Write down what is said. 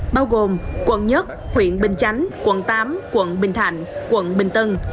bao gồm quận một huyện bình chánh quận tám quận bình thạnh quận bình tân